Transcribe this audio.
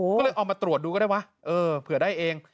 ก็เลยเอามาตรวจดูก็ได้วะเออเผื่อได้เอง